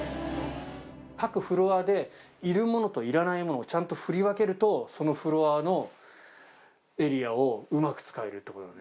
各フロアでいるものといらないものちゃんと振り分けるとそのフロアのエリアをうまく使えるってことだね。